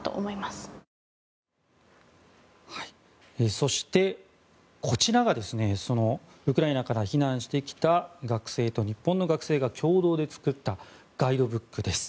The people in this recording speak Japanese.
そして、こちらがそのウクライナから避難してきた学生と日本の学生が共同で作ったガイドブックです。